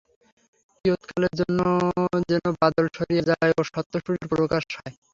কিয়ৎকালের জন্য যেন বাদল সরিয়া যায় ও সত্যসূর্যের প্রকাশ হয়।